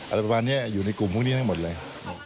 อะไรประมาณนี้อยู่ในกลุ่มพวกนี้ทั้งหมดเลย